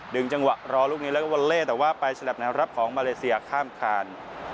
จังหวะรอลูกนี้แล้วก็วอลเล่แต่ว่าไปฉลับแนวรับของมาเลเซียข้ามคาน